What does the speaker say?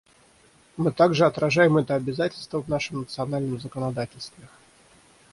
Мы также отражаем это обязательство в нашем национальном законодательстве.